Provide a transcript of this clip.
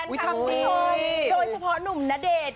โดยเฉพาะหนุ่มนเดชน์